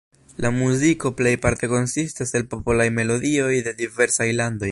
La muziko plejparte konsistas el popolaj melodioj de diversaj landoj.